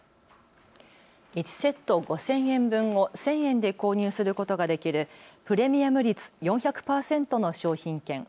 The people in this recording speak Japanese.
１セット５０００円分を１０００円で購入することができるプレミアム率４００％の商品券。